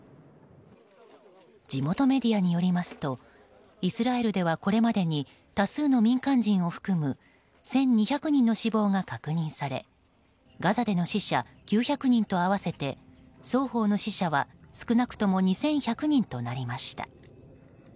地元メディアによりますとイスラエルではこれまでに多数の民間人を含む１２００人の死亡が確認されガザでの死者９００人と合わせて双方の死者は少なくとも２１００人となりました。